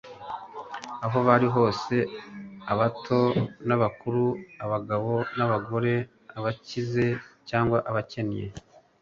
aho bari hose, abato n'abakuru, abagabo n'abagore, abakize cyangwa abakene